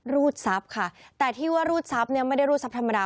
รูดทรัพย์ค่ะแต่ที่ว่ารูดทรัพย์เนี่ยไม่ได้รูดทรัพย์ธรรมดา